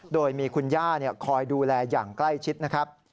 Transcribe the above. โดยมีคุณย่าคอยดูแลอย่างใกล้ชิดนะครับ